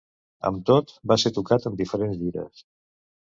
Amb tot, va ser tocat en diferents gires.